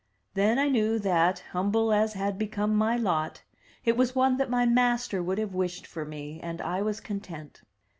Then I knew that, humble as had become my lot, it was one that my master would have wished for me, and I was content.